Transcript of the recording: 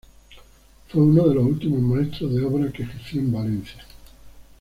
Fue uno de los últimos maestros de obra que ejerció en Valencia.